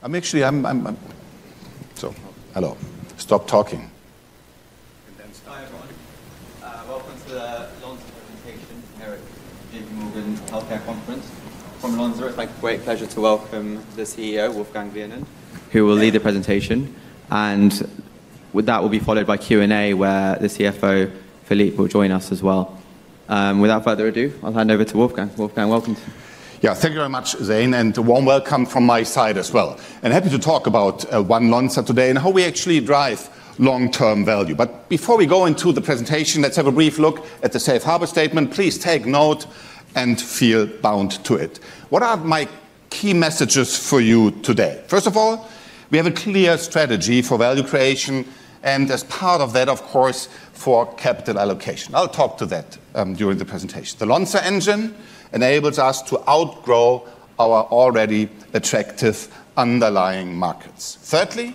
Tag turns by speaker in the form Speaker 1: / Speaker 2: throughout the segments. Speaker 1: I'm actually, so hello, stop talking.
Speaker 2: Welcome to the Lonza presentation from the J.P. Morgan Healthcare Conference. From Lonza, it's my great pleasure to welcome the CEO, Wolfgang Wienand, who will lead the presentation. That will be followed by Q&A where the CFO, Philippe, will join us as well. Without further ado, I'll hand over to Wolfgang. Wolfgang, welcome.
Speaker 1: Yeah, thank you very much, Zain, and a warm welcome from my side as well, and happy to talk about Lonza today and how we actually drive long-term value. But before we go into the presentation, let's have a brief look at the Safe Harbor Statement. Please take note and feel bound to it. What are my key messages for you today? First of all, we have a clear strategy for value creation, and as part of that, of course, for capital allocation. I'll talk to that during the presentation. The Lonza Engine enables us to outgrow our already attractive underlying markets. Thirdly,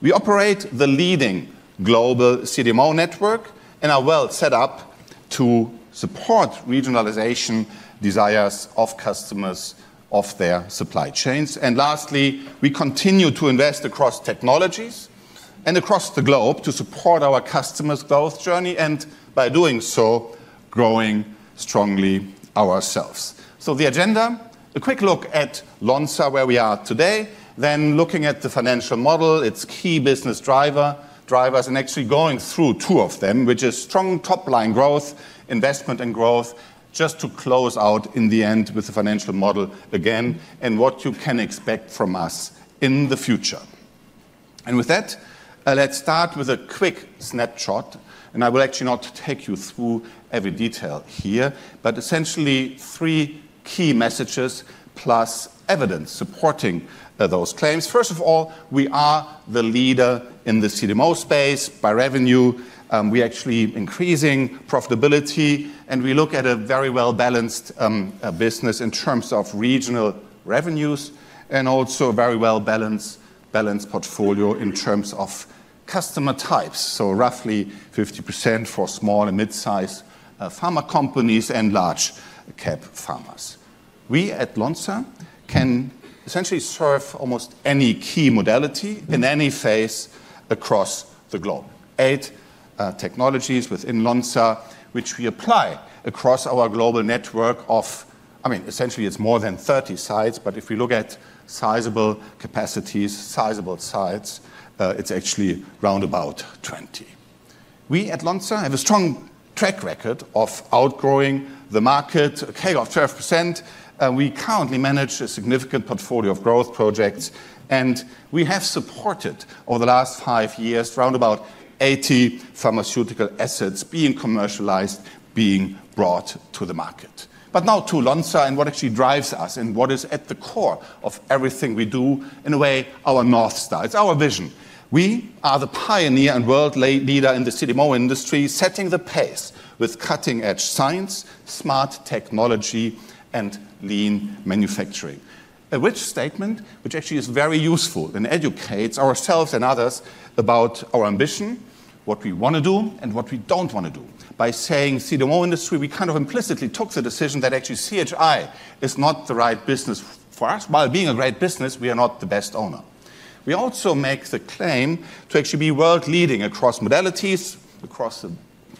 Speaker 1: we operate the leading global CDMO network and are well set up to support regionalization desires of customers of their supply chains. And lastly, we continue to invest across technologies and across the globe to support our customers' growth journey, and by doing so, growing strongly ourselves. So the agenda: a quick look at Lonza, where we are today, then looking at the financial model, its key business driver, drivers, and actually going through two of them, which are strong top-line growth, investment, and growth, just to close out in the end with the financial model again and what you can expect from us in the future. And with that, let's start with a quick snapshot, and I will actually not take you through every detail here, but essentially three key messages plus evidence supporting those claims. First of all, we are the leader in the CDMO space by revenue. We actually are increasing profitability, and we look at a very well-balanced business in terms of regional revenues and also a very well-balanced, balanced portfolio in terms of customer types. So roughly 50% for small and mid-size pharma companies and large-cap pharmas. We at Lonza can essentially serve almost any key modality in any phase across the globe. Eight technologies within Lonza, which we apply across our global network of, I mean, essentially it's more than 30 sites, but if we look at sizable capacities, sizable sites, it's actually round about 20. We at Lonza have a strong track record of outgrowing the market, a CAGR of 12%. We currently manage a significant portfolio of growth projects, and we have supported over the last five years round about 80 pharmaceutical assets being commercialized, being brought to the market. But now to Lonza and what actually drives us and what is at the core of everything we do, in a way, our North Star. It's our vision. We are the pioneer and world leader in the CDMO industry, setting the pace with cutting-edge science, smart technology, and lean manufacturing. A rich statement, which actually is very useful and educates ourselves and others about our ambition, what we wanna do, and what we don't wanna do. By saying CDMO industry, we kind of implicitly took the decision that actually CHI is not the right business for us. While being a great business, we are not the best owner. We also make the claim to actually be world leading across modalities, across the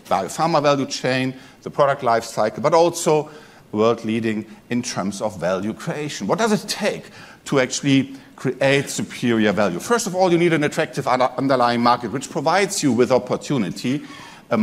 Speaker 1: pharma value chain, the product lifecycle, but also world leading in terms of value creation. What does it take to actually create superior value? First of all, you need an attractive underlying market, which provides you with opportunity,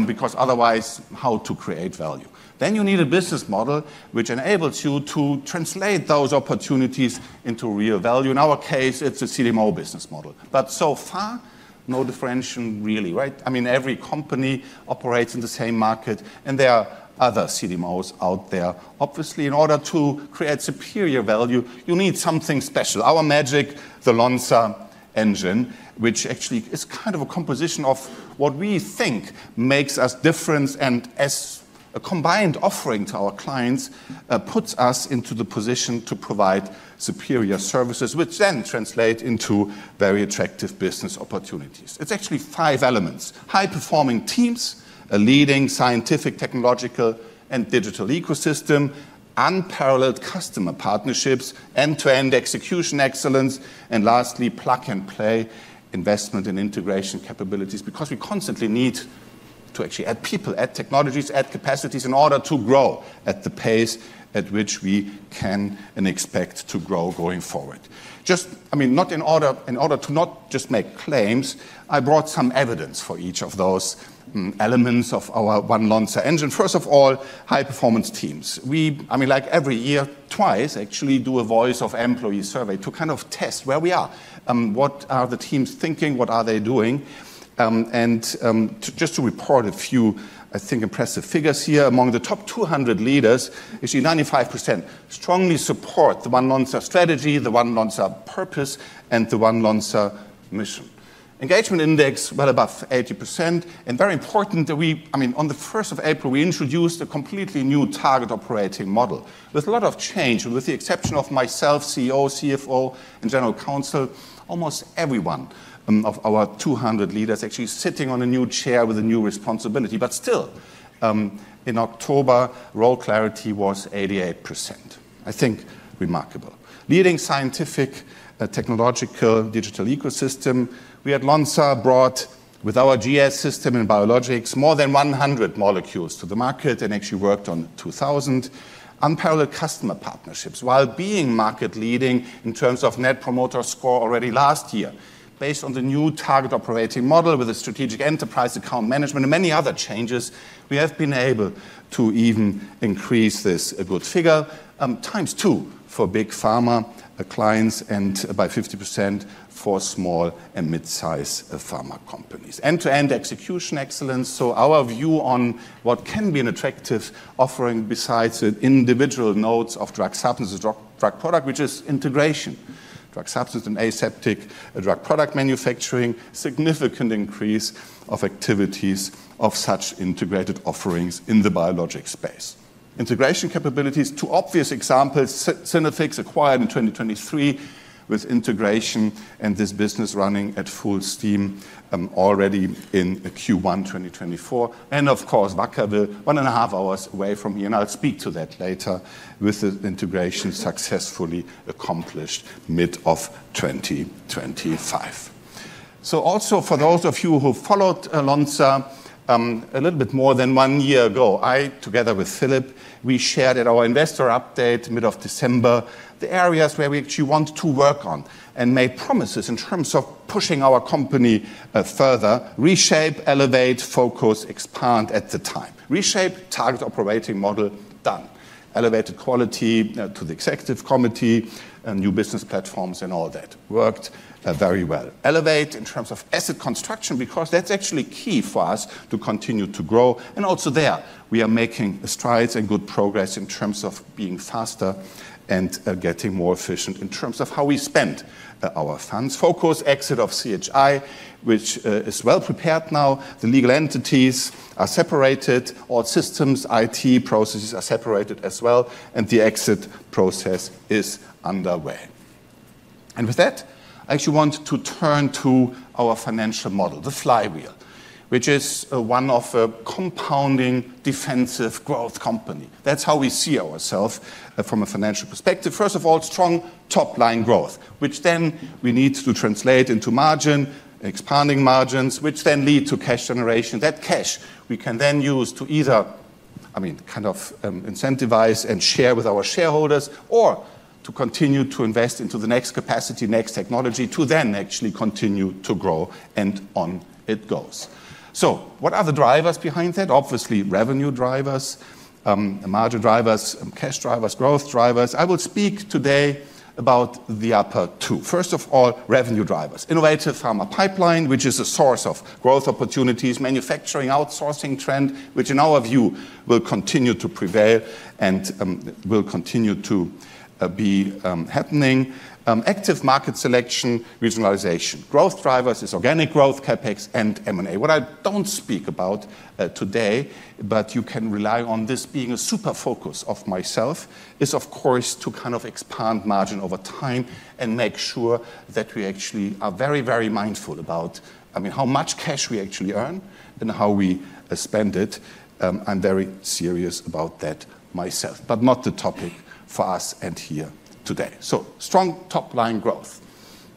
Speaker 1: because otherwise, how to create value? Then you need a business model which enables you to translate those opportunities into real value. In our case, it's a CDMO business model. But so far, no differential really, right? I mean, every company operates in the same market, and there are other CDMOs out there. Obviously, in order to create superior value, you need something special. Our magic, the Lonza Engine, which actually is kind of a composition of what we think makes us different and, as a combined offering to our clients, puts us into the position to provide superior services, which then translate into very attractive business opportunities. It's actually five elements: high-performing teams, a leading scientific, technological, and digital ecosystem, unparalleled customer partnerships, end-to-end execution excellence, and lastly, plug-and-play investment and integration capabilities, because we constantly need to actually add people, add technologies, add capacities in order to grow at the pace at which we can and expect to grow going forward. Just, I mean, not in order, in order to not just make claims, I brought some evidence for each of those elements of our One Lonza Engine. First of all, high-performance teams. We, I mean, like every year, twice, actually do a Voice of Employee survey to kind of test where we are. What are the teams thinking? What are they doing? And to just report a few, I think, impressive figures here. Among the top 200 leaders, actually 95% strongly support the One Lonza strategy, the One Lonza purpose, and the One Lonza mission. Engagement index well above 80%. Very important that we, I mean, on the 1st of April, we introduced a completely new target operating model. There's a lot of change, and with the exception of myself, CEO, CFO, and general counsel, almost everyone of our 200 leaders actually sitting on a new chair with a new responsibility. But still, in October, role clarity was 88%. I think remarkable. Leading scientific, technological, digital ecosystem. We at Lonza brought, with our GS System in biologics, more than 100 molecules to the market and actually worked on 2,000. Unparalleled customer partnerships. While being market leading in terms of Net Promoter Score already last year, based on the new target operating model with a strategic enterprise account management and many other changes, we have been able to even increase this a good figure, times two for big pharma clients and by 50% for small- and mid-size pharma companies. End-to-end execution excellence. So our view on what can be an attractive offering besides the individual nodes of drug substances, drug product, which is integration, drug substance and aseptic drug product manufacturing, significant increase of activities of such integrated offerings in the biologic space. Integration capabilities, two obvious examples, Synaffix, acquired in 2023 with integration and this business running at full steam, already in Q1 2024, and of course, Vacaville, one and a half hours away from here, and I'll speak to that later with the integration successfully accomplished mid of 2025. So, also for those of you who followed Lonza a little bit more than one year ago, I, together with Philippe, we shared at our investor update mid of December the areas where we actually want to work on and made promises in terms of pushing our company further: Reshape, Elevate, Focus, Expand at the time. Reshape target operating model, done. Elevated quality to the executive committee, new business platforms, and all that worked very well. Elevate in terms of asset construction, because that's actually key for us to continue to grow. And also there, we are making strides and good progress in terms of being faster and getting more efficient in terms of how we spend our funds. Focus exit of CHI, which is well prepared now. The legal entities are separated. All systems, IT processes are separated as well, and the exit process is underway. With that, I actually want to turn to our financial model, the flywheel, which is one of a compounding defensive growth company. That's how we see ourselves, from a financial perspective. First of all, strong top-line growth, which then we need to translate into margin, expanding margins, which then lead to cash generation. That cash we can then use to either, I mean, kind of, incentivize and share with our shareholders or to continue to invest into the next capacity, next technology to then actually continue to grow, and on it goes. So what are the drivers behind that? Obviously, revenue drivers, margin drivers, cash drivers, growth drivers. I will speak today about the upper two. First of all, revenue drivers. Innovative pharma pipeline, which is a source of growth opportunities, manufacturing outsourcing trend, which in our view will continue to prevail and will continue to be happening. Active market selection, regionalization. Growth drivers is organic growth, CapEx, and M&A. What I don't speak about, today, but you can rely on this being a super focus of myself, is of course to kind of expand margin over time and make sure that we actually are very, very mindful about, I mean, how much cash we actually earn and how we spend it. I'm very serious about that myself, but not the topic for us and here today. So strong top-line growth.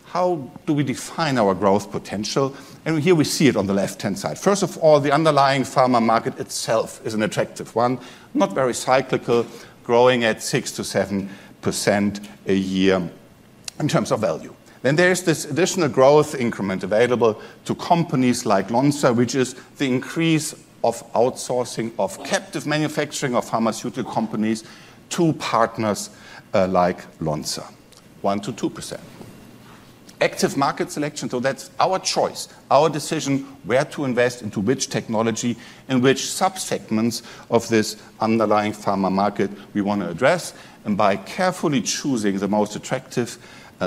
Speaker 1: How do we define our growth potential? And here we see it on the left-hand side. First of all, the underlying pharma market itself is an attractive one, not very cyclical, growing at 6%-7% a year in terms of value. Then there's this additional growth increment available to companies like Lonza, which is the increase of outsourcing of captive manufacturing of pharmaceutical companies to partners like Lonza, 1-2%. Active market selection. So that's our choice, our decision where to invest into which technology, in which subsegments of this underlying pharma market we wanna address. And by carefully choosing the most attractive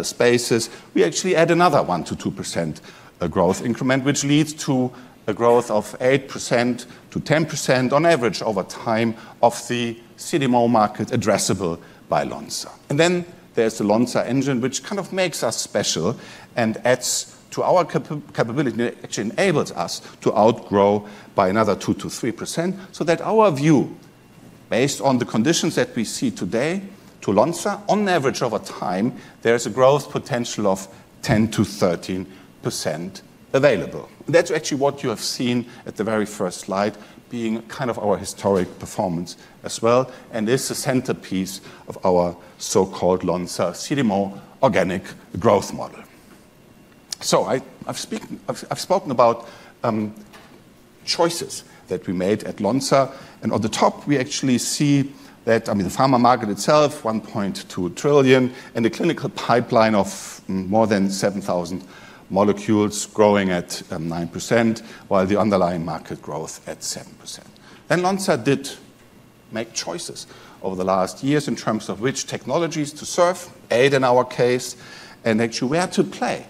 Speaker 1: spaces, we actually add another 1-2% growth increment, which leads to a growth of 8%-10% on average over time of the CDMO market addressable by Lonza. And then there's the Lonza Engine, which kind of makes us special and adds to our capability, actually enables us to outgrow by another 2-3%. So that's our view, based on the conditions that we see today to Lonza, on average over time, there's a growth potential of 10-13% available. That's actually what you have seen at the very first slide being kind of our historic performance as well. This is the centerpiece of our so-called Lonza CDMO organic growth model. I've spoken about choices that we made at Lonza. On the top, we actually see that, I mean, the pharma market itself, $1.2 trillion, and the clinical pipeline of more than 7,000 molecules growing at 9%, while the underlying market growth at 7%. Lonza did make choices over the last years in terms of which technologies to serve, and in our case, and actually where to play,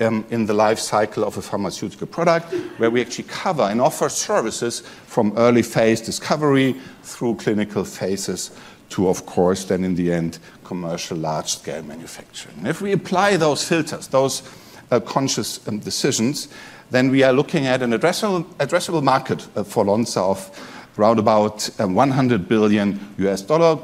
Speaker 1: in the life cycle of a pharmaceutical product where we actually cover and offer services from early phase discovery through clinical phases to, of course, then in the end, commercial large-scale manufacturing. If we apply those filters, those conscious decisions, then we are looking at an addressable market for Lonza of round about $100 billion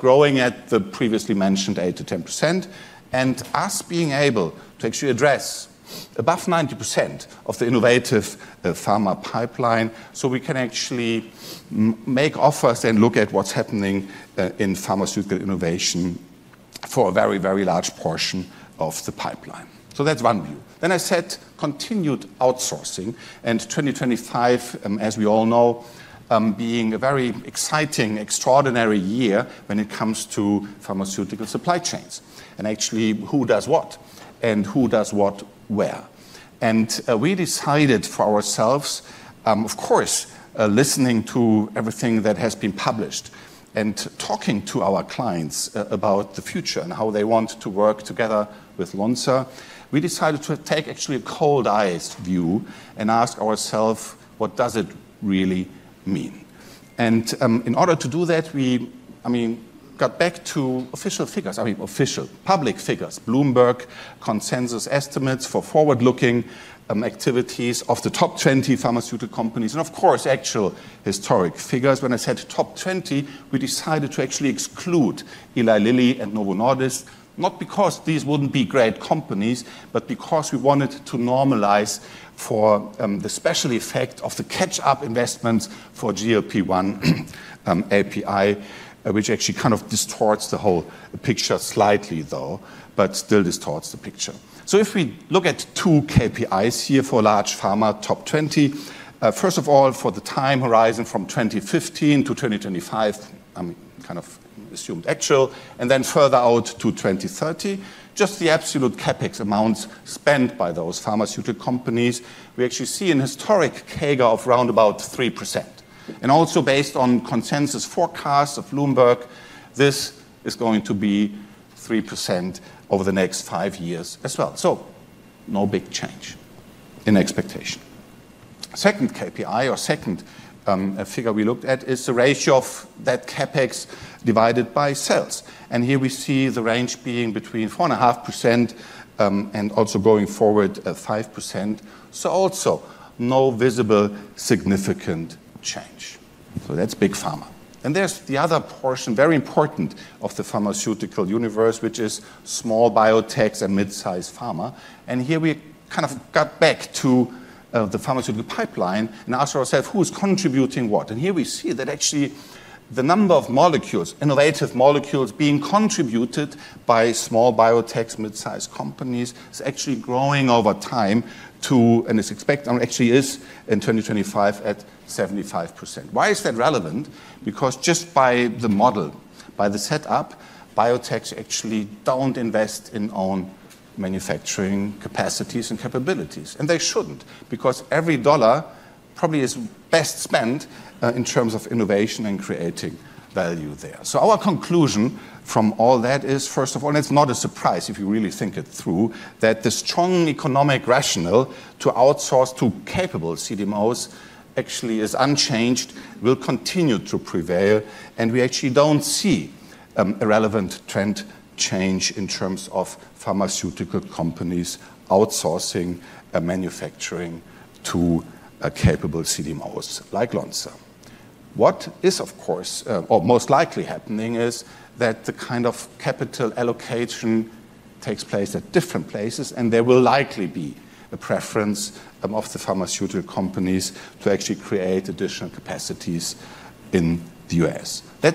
Speaker 1: growing at the previously mentioned 8-10%. And us being able to actually address above 90% of the innovative pharma pipeline so we can actually make offers and look at what's happening in pharmaceutical innovation for a very, very large portion of the pipeline. So that's one view. Then I said continued outsourcing and 2025, as we all know, being a very exciting, extraordinary year when it comes to pharmaceutical supply chains. And actually who does what and who does what where. And we decided for ourselves, of course, listening to everything that has been published and talking to our clients about the future and how they want to work together with Lonza. We decided to take actually a cold eyes view and ask ourselves, what does it really mean? And, in order to do that, we, I mean, got back to official figures. I mean, official public figures, Bloomberg consensus estimates for forward-looking activities of the top 20 pharmaceutical companies. And of course, actual historic figures. When I said top 20, we decided to actually exclude Eli Lilly and Novo Nordisk, not because these wouldn't be great companies, but because we wanted to normalize for the special effect of the catch-up investments for GLP-1 API, which actually kind of distorts the whole picture slightly though, but still distorts the picture. If we look at two KPIs here for large pharma top 20, first of all, for the time horizon from 2015 to 2025, I'm kind of assuming actual, and then further out to 2030, just the absolute CapEx amounts spent by those pharmaceutical companies, we actually see a historic CAGR of round about 3%. And also based on consensus forecasts of Bloomberg, this is going to be 3% over the next five years as well. No big change in expectation. Second KPI or second figure we looked at is the ratio of that CapEx divided by sales. And here we see the range being between 4.5% and also going forward 5%. Also no visible significant change. That's big pharma. And there's the other portion, very important of the pharmaceutical universe, which is small biotechs and mid-size pharma. Here we kind of got back to the pharmaceutical pipeline and asked ourselves who's contributing what. And here we see that actually the number of molecules, innovative molecules being contributed by small biotechs, mid-size companies is actually growing over time to, and it's expected, or actually is in 2025 at 75%. Why is that relevant? Because just by the model, by the setup, biotechs actually don't invest in own manufacturing capacities and capabilities. And they shouldn't because every dollar probably is best spent, in terms of innovation and creating value there. So our conclusion from all that is, first of all, and it's not a surprise if you really think it through, that the strong economic rationale to outsource to capable CDMOs actually is unchanged, will continue to prevail. We actually don't see a relevant trend change in terms of pharmaceutical companies outsourcing manufacturing to capable CDMOs like Lonza. What is, of course, or most likely happening is that the kind of capital allocation takes place at different places, and there will likely be a preference of the pharmaceutical companies to actually create additional capacities in the U.S. That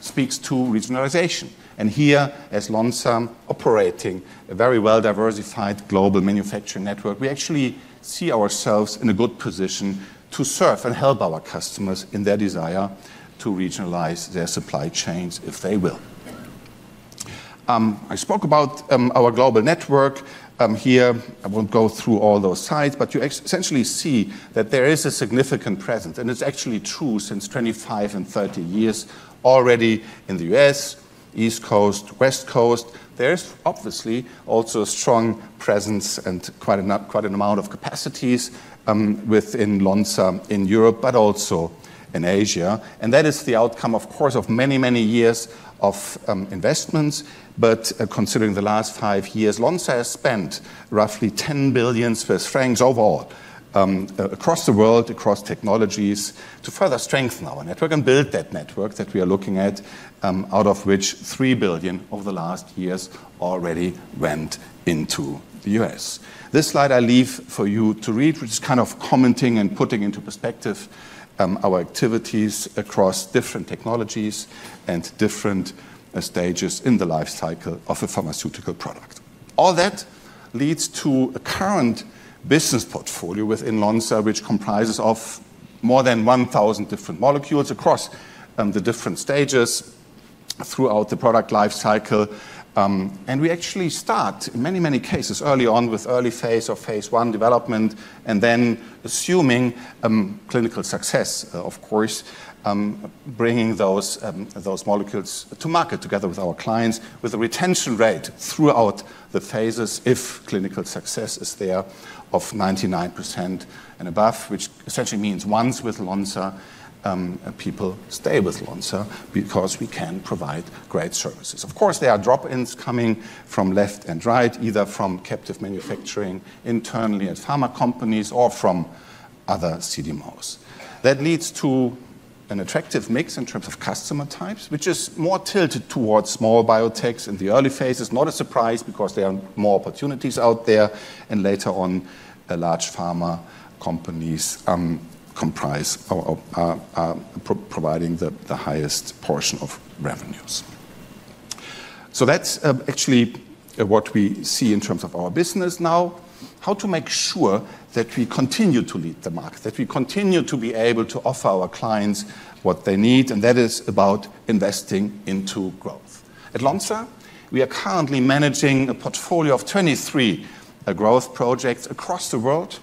Speaker 1: speaks to regionalization. Here, as Lonza operating a very well-diversified global manufacturing network, we actually see ourselves in a good position to serve and help our customers in their desire to regionalize their supply chains if they will. I spoke about our global network here. I won't go through all those sites, but you essentially see that there is a significant presence. It's actually true since 25 and 30 years already in the U.S., East Coast, West Coast. There's obviously also a strong presence and quite an amount of capacities within Lonza in Europe, but also in Asia. That is the outcome, of course, of many, many years of investments. Considering the last five years, Lonza has spent roughly 10 billion Swiss francs overall, across the world, across technologies to further strengthen our network and build that network that we are looking at, out of which 3 billion over the last years already went into the US. This slide I leave for you to read, which is kind of commenting and putting into perspective our activities across different technologies and different stages in the life cycle of a pharmaceutical product. All that leads to a current business portfolio within Lonza, which comprises of more than 1,000 different molecules across the different stages throughout the product life cycle. And we actually start in many, many cases early on with early phase or phase one development and then assuming clinical success, of course, bringing those molecules to market together with our clients with a retention rate throughout the phases if clinical success is there of 99% and above, which essentially means once with Lonza, people stay with Lonza because we can provide great services. Of course, there are drop-ins coming from left and right, either from captive manufacturing internally at pharma companies or from other CDMOs. That leads to an attractive mix in terms of customer types, which is more tilted towards small biotechs in the early phases. Not a surprise because there are more opportunities out there. And later on, large pharma companies comprise our providing the highest portion of revenues. So that's actually what we see in terms of our business now, how to make sure that we continue to lead the market, that we continue to be able to offer our clients what they need. And that is about investing into growth. At Lonza, we are currently managing a portfolio of 23 growth projects across the world,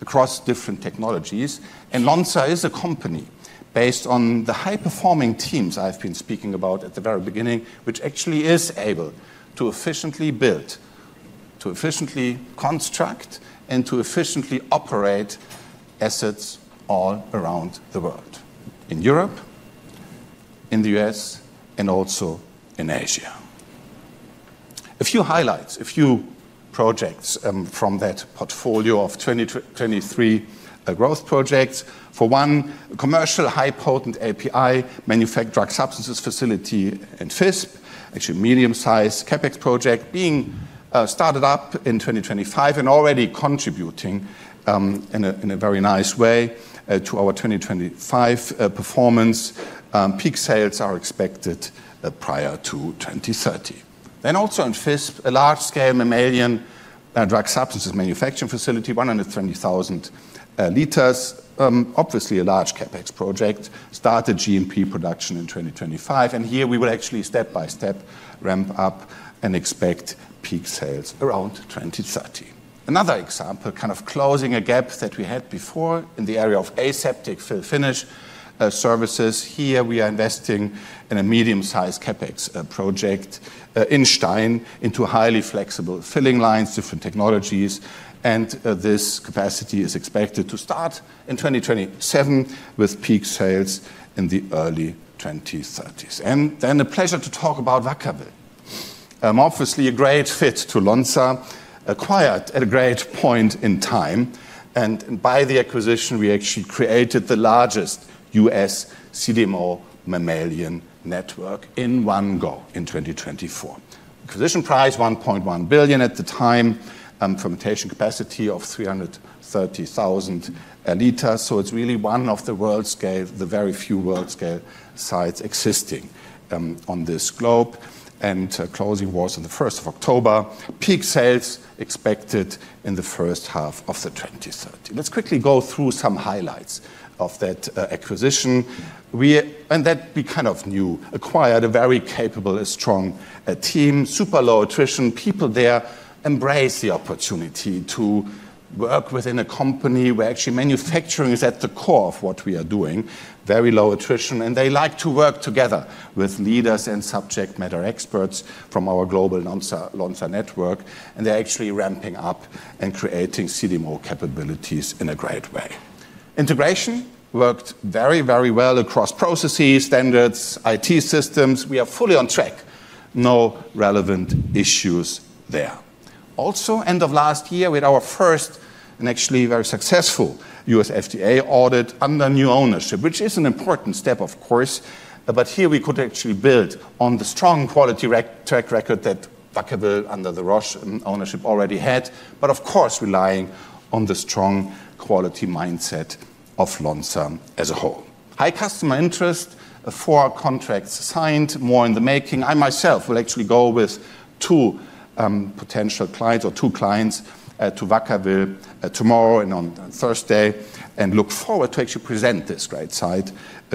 Speaker 1: across different technologies. And Lonza is a company based on the high-performing teams I've been speaking about at the very beginning, which actually is able to efficiently build, to efficiently construct, and to efficiently operate assets all around the world, in Europe, in the U.S., and also in Asia. A few highlights, a few projects from that portfolio of 23 growth projects. For one, a commercial high-potent API manufacturing drug substances facility in Visp, actually medium-sized CapEx project being started up in 2025 and already contributing in a very nice way to our 2025 performance. Peak sales are expected prior to 2030. Also in Visp, a large-scale mammalian drug substances manufacturing facility, 120,000 liters. Obviously a large CapEx project started GMP production in 2025. Here we will actually step by step ramp up and expect peak sales around 2030. Another example, kind of closing a gap that we had before in the area of aseptic fill finish services. Here we are investing in a medium-sized CapEx project in Stein into highly flexible filling lines, different technologies. This capacity is expected to start in 2027 with peak sales in the early 2030s. It is a pleasure to talk about Vacaville. Obviously a great fit to Lonza, acquired at a great point in time. And by the acquisition, we actually created the largest U.S. CDMO mammalian network in one go in 2024. Acquisition price $1.1 billion at the time, fermentation capacity of 330,000 liters. So it's really one of the world scale, the very few world scale sites existing, on this globe. And closing was on the 1st of October. Peak sales expected in the first half of the 2030s. Let's quickly go through some highlights of that acquisition. We, and that we kind of knew, acquired a very capable, a strong, team, super low attrition. People there embrace the opportunity to work within a company where actually manufacturing is at the core of what we are doing, very low attrition. And they like to work together with leaders and subject matter experts from our global Lonza, Lonza network. They're actually ramping up and creating CDMO capabilities in a great way. Integration worked very, very well across processes, standards, IT systems. We are fully on track. No relevant issues there. Also, end of last year with our first and actually very successful U.S. FDA audit under new ownership, which is an important step, of course. Here we could actually build on the strong quality track record that Vacaville under the Roche ownership already had, but of course relying on the strong quality mindset of Lonza as a whole. High customer interest, four contracts signed, more in the making. I myself will actually go with two potential clients or two clients to Vacaville tomorrow and on Thursday and look forward to actually present this great site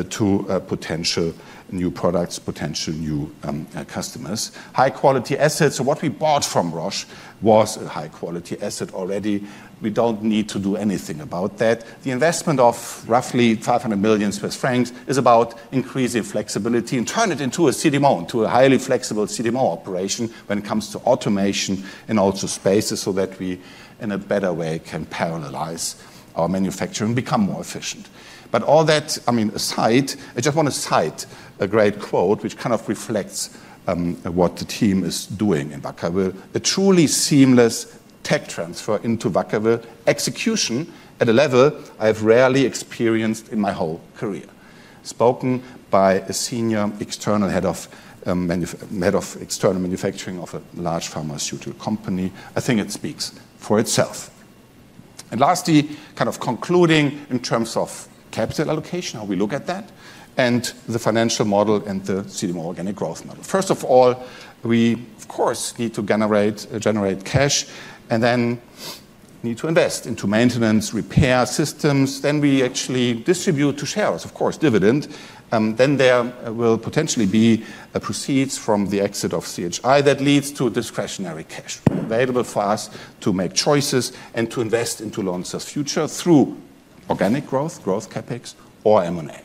Speaker 1: to potential new products, potential new customers. High quality assets. What we bought from Roche was a high quality asset already. We don't need to do anything about that. The investment of roughly 500 million Swiss francs is about increasing flexibility and turning it into a CDMO, into a highly flexible CDMO operation when it comes to automation and also spaces so that we in a better way can parallelize our manufacturing and become more efficient. But all that, I mean, aside, I just want to cite a great quote which kind of reflects what the team is doing in Vacaville, a truly seamless tech transfer into Vacaville execution at a level I have rarely experienced in my whole career. Spoken by a senior external head of manufacturing, head of external manufacturing of a large pharmaceutical company. I think it speaks for itself. And lastly, kind of concluding in terms of capital allocation, how we look at that and the financial model and the CDMO organic growth model. First of all, we, of course, need to generate cash and then need to invest into maintenance, repair systems. Then we actually distribute to shareholders, of course, dividends. Then there will potentially be proceeds from the exit of CHI that leads to discretionary cash available for us to make choices and to invest into Lonza's future through organic growth, CapEx or M&A.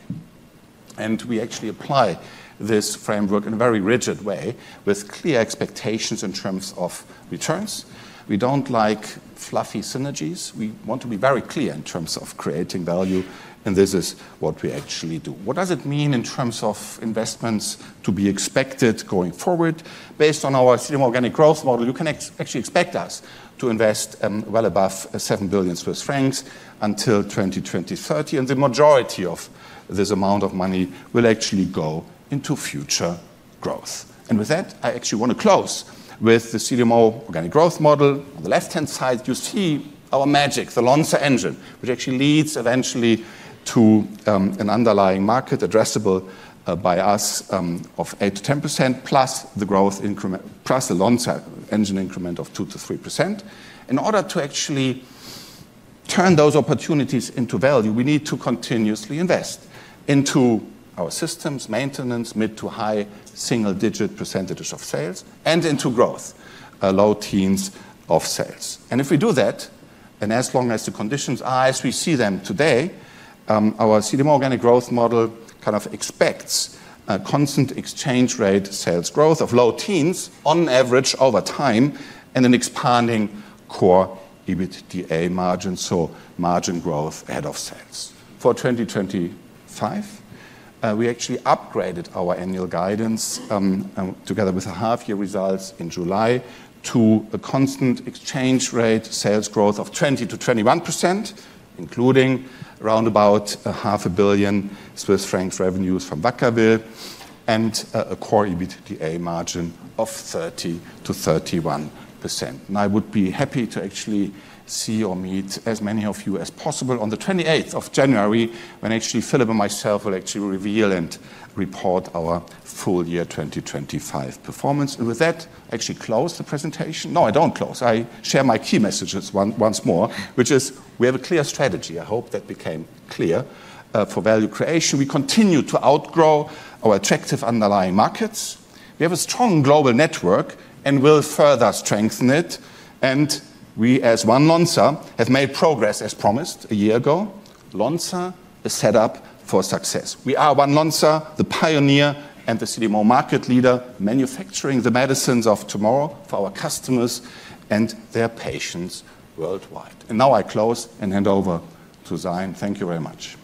Speaker 1: We actually apply this framework in a very rigid way with clear expectations in terms of returns. We don't like fluffy synergies. We want to be very clear in terms of creating value. This is what we actually do. What does it mean in terms of investments to be expected going forward? Based on our CDMO organic growth model, you can actually expect us to invest well above 7 billion Swiss francs until 2028. The majority of this amount of money will actually go into future growth. With that, I actually want to close with the CDMO organic growth model. On the left-hand side, you see our magic, the Lonza Engine, which actually leads eventually to an underlying market addressable by us of 8%-10% plus the growth increment, plus the Lonza Engine increment of 2%-3%. In order to actually turn those opportunities into value, we need to continuously invest into our systems, maintenance, mid- to high single-digit percentages of sales, and into growth, low teens of sales. If we do that, and as long as the conditions are as we see them today, our CDMO organic growth model kind of expects a constant exchange rate sales growth of low teens on average over time and an expanding core EBITDA margin. Margin growth ahead of sales. For 2025, we actually upgraded our annual guidance, together with a half-year results in July to a constant exchange rate sales growth of 20-21%, including around 500 million Swiss francs revenues from Vacaville and a core EBITDA margin of 30-31%. I would be happy to actually see or meet as many of you as possible on the 28th of January when actually Philippe and myself will actually reveal and report our full year 2025 performance. And with that, I actually close the presentation. No, I don't close. I share my key messages once more, which is we have a clear strategy. I hope that became clear, for value creation. We continue to outgrow our attractive underlying markets. We have a strong global network and will further strengthen it. And we, as One Lonza, have made progress as promised a year ago. Lonza is set up for success. We are One Lonza, the pioneer and the CDMO market leader manufacturing the medicines of tomorrow for our customers and their patients worldwide. And now I close and hand over to Zain. Thank you very much.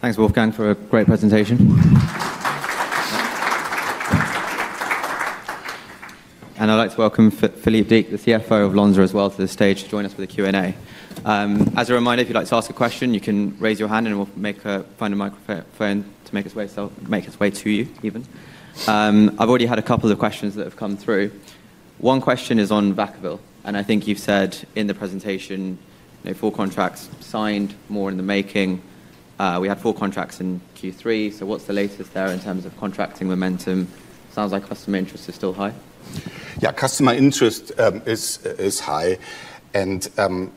Speaker 2: Thanks, Wolfgang, for a great presentation. And I'd like to welcome Philippe Deecke, the CFO of Lonza, as well to the stage to join us for the Q&A. As a reminder, if you'd like to ask a question, you can raise your hand and we'll find a microphone to make its way to you even. I've already had a couple of questions that have come through. One question is on Vacaville. And I think you've said in the presentation, you know, four contracts signed, more in the making. We had four contracts in Q3. So what's the latest there in terms of contracting momentum? Sounds like customer interest is still high.
Speaker 1: Yeah, customer interest is high. And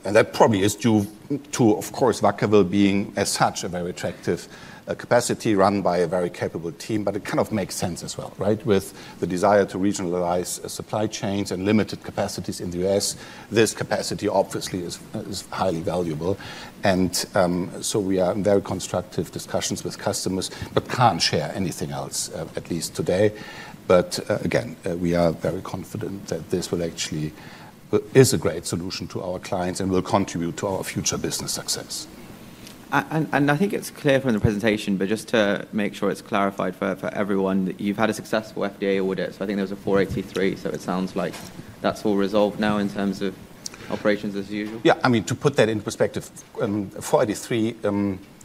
Speaker 1: that probably is due, of course, Vacaville being as such a very attractive capacity run by a very capable team. But it kind of makes sense as well, right? With the desire to regionalize supply chains and limited capacities in the U.S., this capacity obviously is highly valuable. And so we are in very constructive discussions with customers, but can't share anything else, at least today. But again, we are very confident that this actually is a great solution to our clients and will contribute to our future business success.
Speaker 2: And I think it's clear from the presentation, but just to make sure it's clarified for everyone, that you've had a successful FDA audit. So I think there was a 483. It sounds like that's all resolved now in terms of operations as usual.
Speaker 1: Yeah. I mean, to put that into perspective, 483,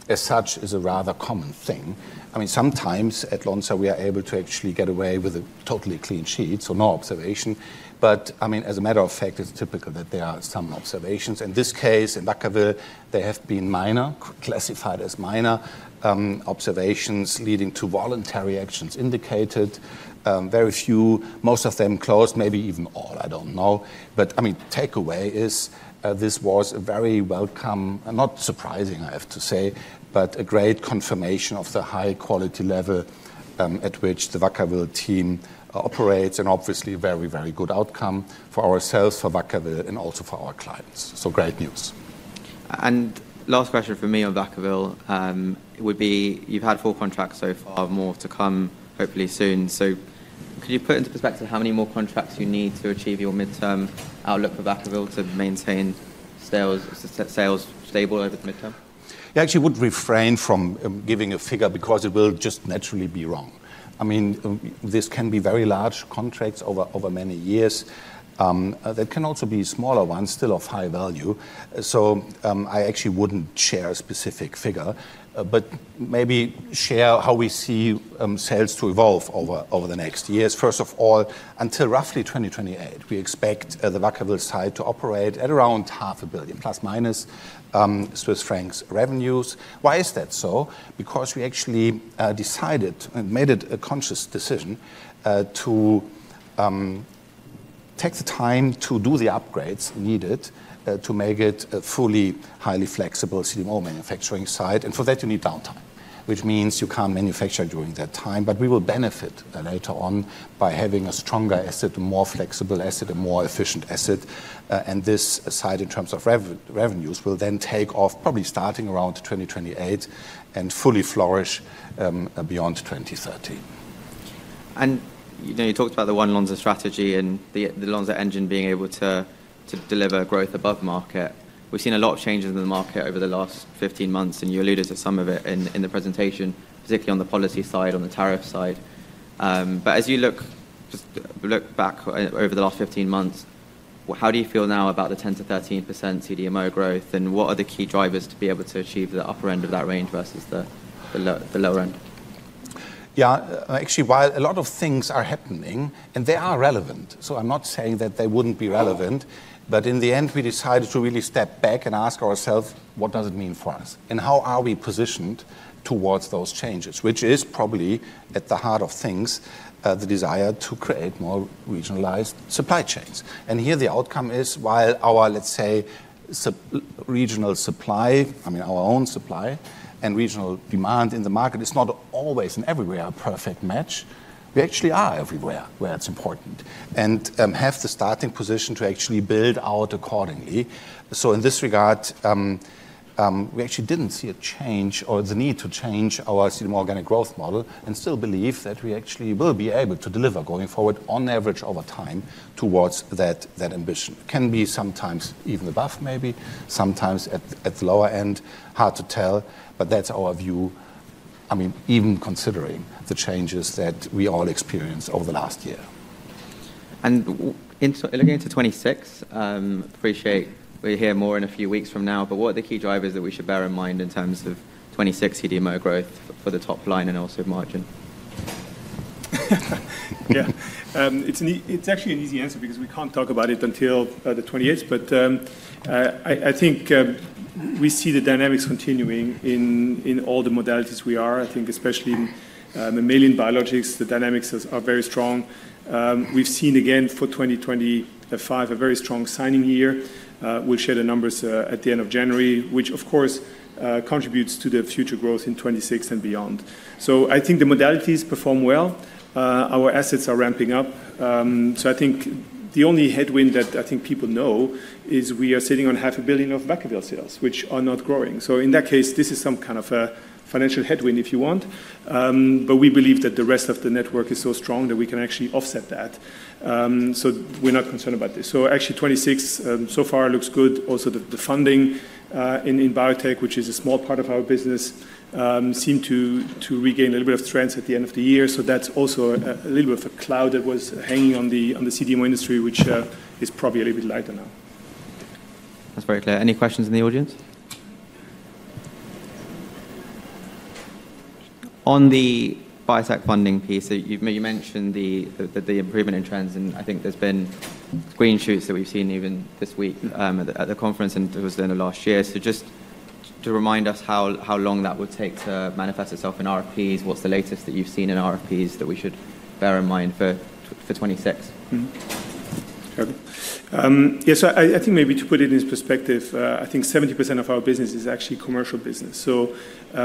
Speaker 1: as such, is a rather common thing. I mean, sometimes at Lonza, we are able to actually get away with a totally clean sheet or no observation. But I mean, as a matter of fact, it's typical that there are some observations. In this case, in Vacaville, there have been minor, classified as minor, observations leading to Voluntary Actions Indicated, very few, most of them closed, maybe even all. I don't know. But I mean, takeaway is this was a very welcome, not surprising, I have to say, but a great confirmation of the high quality level at which the Vacaville team operates, and obviously very, very good outcome for ourselves, for Vacaville, and also for our clients. Great news.
Speaker 2: And last question for me on Vacaville, it would be you've had four contracts so far, more to come hopefully soon. So could you put into perspective how many more contracts you need to achieve your midterm outlook for Vacaville to maintain sales, sales stable over the midterm?
Speaker 1: Yeah, I actually would refrain from giving a figure because it will just naturally be wrong. I mean, this can be very large contracts over many years that can also be smaller ones still of high value. So, I actually wouldn't share a specific figure, but maybe share how we see sales to evolve over the next years. First of all, until roughly 2028, we expect the Vacaville site to operate at around 500 million plus or minus Swiss francs revenues. Why is that so? Because we actually decided and made it a conscious decision to take the time to do the upgrades needed to make it a fully highly flexible CDMO manufacturing site. And for that, you need downtime, which means you can't manufacture during that time. But we will benefit later on by having a stronger asset, a more flexible asset, a more efficient asset, and this site in terms of revenues will then take off probably starting around 2028 and fully flourish beyond 2030.
Speaker 2: You know, you talked about the One Lonza strategy and the Lonza Engine being able to deliver growth above market. We've seen a lot of changes in the market over the last 15 months, and you alluded to some of it in the presentation, particularly on the policy side, on the tariff side. But as you look, just look back over the last 15 months, how do you feel now about the 10%-13% CDMO growth? And what are the key drivers to be able to achieve the upper end of that range versus the, the low, the lower end?
Speaker 1: Yeah, actually, while a lot of things are happening and they are relevant, so I'm not saying that they wouldn't be relevant, but in the end, we decided to really step back and ask ourselves, what does it mean for us? And how are we positioned towards those changes, which is probably at the heart of things, the desire to create more regionalized supply chains. Here the outcome is, while our, let's say, regional supply, I mean, our own supply and regional demand in the market is not always and everywhere a perfect match, we actually are everywhere where it's important and have the starting position to actually build out accordingly. So in this regard, we actually didn't see a change or the need to change our CDMO organic growth model and still believe that we actually will be able to deliver going forward on average over time towards that ambition. It can be sometimes even above, maybe sometimes at the lower end, hard to tell, but that's our view. I mean, even considering the changes that we all experienced over the last year.
Speaker 2: In looking into 2026, appreciate we hear more in a few weeks from now, but what are the key drivers that we should bear in mind in terms of 2026 CDMO growth for the top line and also margin?
Speaker 3: Yeah, it's actually an easy answer because we can't talk about it until the 28th. I think we see the dynamics continuing in all the modalities we are. I think especially in mammalian biologics. The dynamics are very strong. We've seen again for 2025 a very strong signing year. We'll share the numbers at the end of January, which of course contributes to the future growth in 2026 and beyond. I think the modalities perform well. Our assets are ramping up. So I think the only headwind that I think people know is we are sitting on $500 million of Vacaville sales, which are not growing. So in that case, this is some kind of a financial headwind, if you want. But we believe that the rest of the network is so strong that we can actually offset that. So we're not concerned about this. So actually 2026, so far looks good. Also the funding in biotech, which is a small part of our business, seemed to regain a little bit of strength at the end of the year. So that's also a little bit of a cloud that was hanging on the CDMO industry, which is probably a little bit lighter now.
Speaker 2: That's very clear. Any questions in the audience? On the biotech funding piece, so you mentioned the improvement in trends, and I think there's been green shoots that we've seen even this week at the conference and it was done last year. So just to remind us how long that would take to manifest itself in RFPs, what's the latest that you've seen in RFPs that we should bear in mind for 26? Mm-hmm.
Speaker 3: Okay. Yeah, so I think maybe to put it in perspective, I think 70% of our business is actually commercial business. So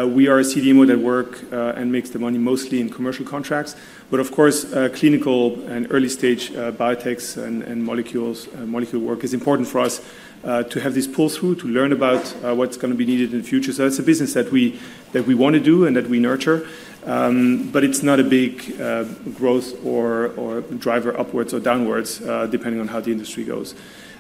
Speaker 3: we are a CDMO that work and makes the money mostly in commercial contracts. But of course, clinical and early stage, biotechs and molecules work is important for us to have this pull through to learn about what's gonna be needed in the future. So it's a business that we wanna do and that we nurture. But it's not a big growth or driver upwards or downwards, depending on how the industry goes.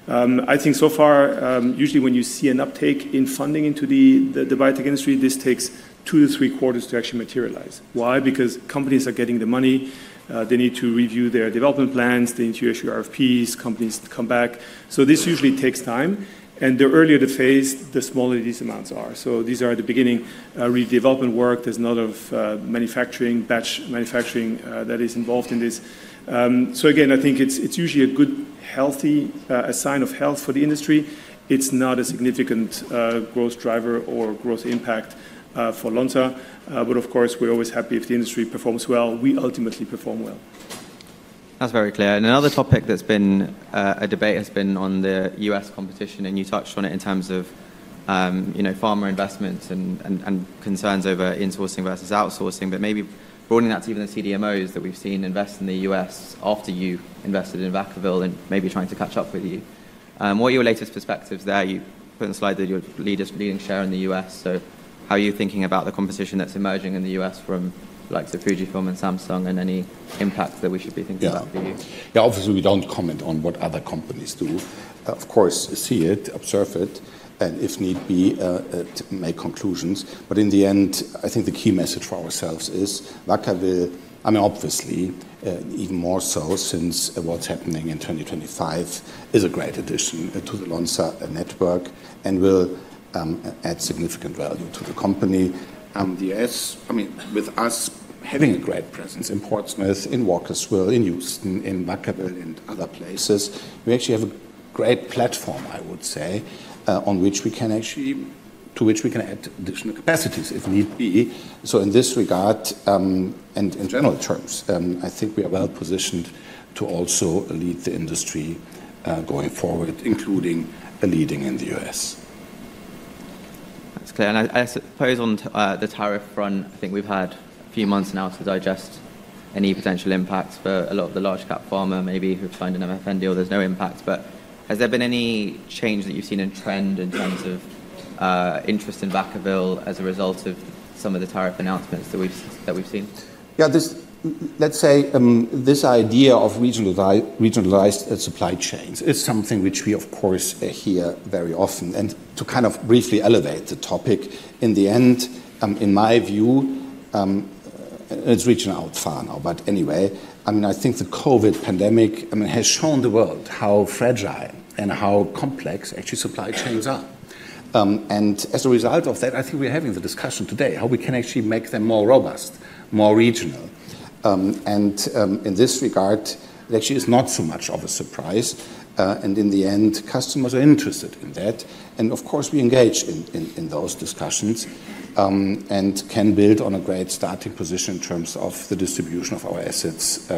Speaker 3: I think so far, usually when you see an uptake in funding into the biotech industry, this takes two to three quarters to actually materialize. Why? Because companies are getting the money. They need to review their development plans, they need to issue RFPs, companies come back, so this usually takes time, and the earlier the phase, the smaller these amounts are, so these are at the beginning, early development work. There's a lot of manufacturing, batch manufacturing, that is involved in this, so again, I think it's usually a good healthy sign of health for the industry. It's not a significant growth driver or growth impact for Lonza. But of course, we're always happy if the industry performs well. We ultimately perform well.
Speaker 2: That's very clear. And another topic that's been, a debate has been on the US competition, and you touched on it in terms of, you know, pharma investments and concerns over insourcing versus outsourcing, but maybe broadening that to even the CDMOs that we've seen invest in the US after you invested in Vacaville and maybe trying to catch up with you. What are your latest perspectives there? You put in a slide that you're leading, leading share in the US. So how are you thinking about the competition that's emerging in the US from likes of Fujifilm and Samsung and any impact that we should be thinking about for you?
Speaker 1: Yeah, obviously we don't comment on what other companies do. Of course, see it, observe it, and if need be, make conclusions. But in the end, I think the key message for ourselves is Vacaville. I mean, obviously, even more so since what's happening in 2025 is a great addition to the Lonza network and will add significant value to the company. The US, I mean, with us having a great presence in Portsmouth, in Walkersville, in Houston, in Vacaville and other places, we actually have a great platform, I would say, on which we can actually to which we can add additional capacities if need be. So in this regard, and in general terms, I think we are well positioned to also lead the industry, going forward, including leading in the US.
Speaker 2: That's clear. And I suppose on the tariff front, I think we've had a few months now to digest any potential impacts for a lot of the large cap pharma maybe who've signed an MFN deal. There's no impact, but has there been any change that you've seen in trend in terms of interest in Vacaville as a result of some of the tariff announcements that we've seen?
Speaker 1: Yeah, let's say this idea of regionalized supply chains is something which we, of course, hear very often. And to kind of briefly elevate the topic in the end, in my view, it's reaching out far now. But anyway, I mean, I think the COVID pandemic, I mean, has shown the world how fragile and how complex actually supply chains are. And as a result of that, I think we're having the discussion today how we can actually make them more robust, more regional. And in this regard, it actually is not so much of a surprise. And in the end, customers are interested in that. And of course, we engage in those discussions, and can build on a great starting position in terms of the distribution of our assets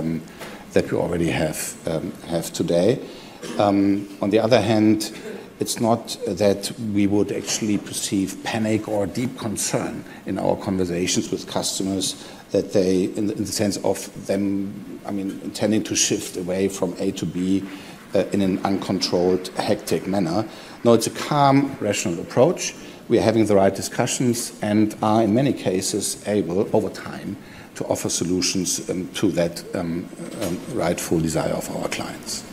Speaker 1: that we already have today. On the other hand, it's not that we would actually perceive panic or deep concern in our conversations with customers that they, in the sense of them, I mean, intending to shift away from A to B, in an uncontrolled hectic manner. No, it's a calm, rational approach. We are having the right discussions and are in many cases able over time to offer solutions to that rightful desire of our clients.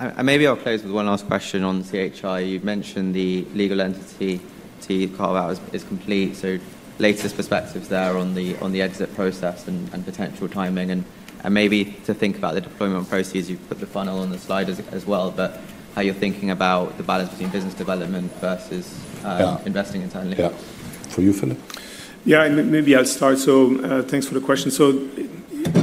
Speaker 2: I maybe I'll close with one last question on CHI. You've mentioned the legal entity to carve out is complete. So, latest perspectives there on the exit process and potential timing and maybe to think about the deployment process. You've put the funnel on the slide as well, but how you're thinking about the balance between business development versus investing internally.
Speaker 1: Yeah. For you, Philippe.
Speaker 3: Yeah, maybe I'll start. So, thanks for the question. So,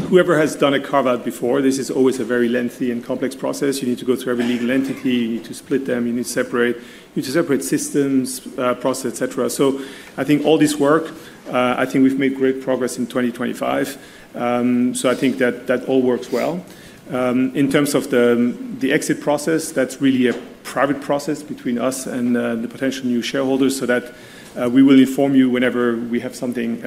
Speaker 3: whoever has done a carve out before, this is always a very lengthy and complex process. You need to go through every legal entity, you need to split them, you need to separate systems, process, et cetera. So, I think all this work. I think we've made great progress in 2025. So, I think that all works well. In terms of the exit process, that's really a private process between us and the potential new shareholders. That we will inform you whenever we have something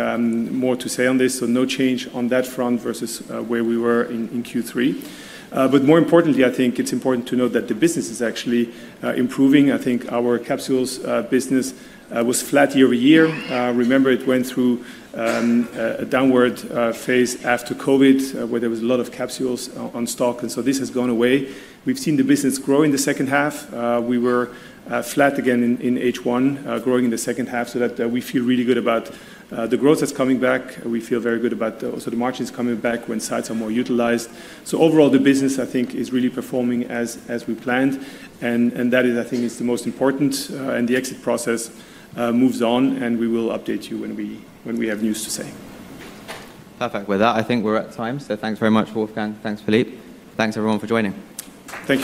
Speaker 3: more to say on this. No change on that front versus where we were in Q3. More importantly, I think it's important to note that the business is actually improving. I think our capsules business was flat year over year. Remember it went through a downward phase after COVID, where there was a lot of capsules on stock, and so this has gone away. We've seen the business grow in the second half. We were flat again in H1, growing in the second half, so that we feel really good about the growth that's coming back. We feel very good about also the margins coming back when sites are more utilized. Overall, the business I think is really performing as we planned. That is, I think, the most important. And the exit process moves on and we will update you when we have news to say.
Speaker 2: Perfect. With that, I think we're at time. So thanks very much, Wolfgang. Thanks, Philippe. Thanks everyone for joining.
Speaker 3: Thank you.